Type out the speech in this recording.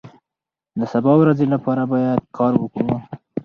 د سبا ورځې لپاره باید کار وکړو.